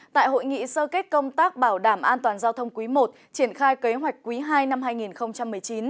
tại hội nghị sơ kết công tác bảo đảm an toàn giao thông quý i triển khai kế hoạch quý ii năm hai nghìn một mươi chín